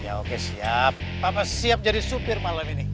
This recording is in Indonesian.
ya oke siap papa siap jadi supir malam ini